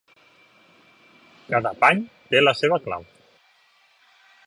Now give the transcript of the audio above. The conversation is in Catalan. Cada pany té la seva clau.